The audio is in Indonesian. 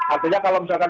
artinya kalau misalkan